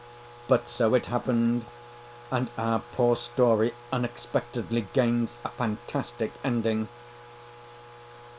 But so it happened, and our poor story unexpectedly gains a fantastic ending.